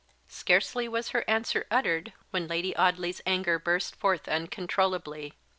Scarcely was her answer uttered when Lady Audley's anger burst forth uncontrollably.